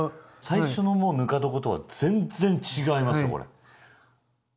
最初のぬか床とは全然違いますよこれ。